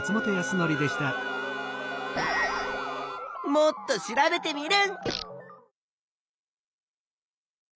もっと調べテミルン！